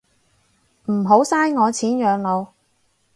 唔好嘥我錢養老